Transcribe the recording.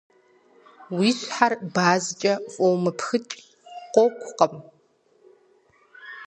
Уи щхьэр базкӏэ фӏумыпхыкӏ, къокӏукъым.